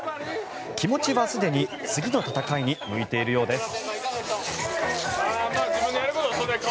気持ちはすでに次の戦いに向いているようです。